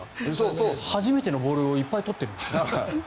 初めてのボールをいっぱいとってる。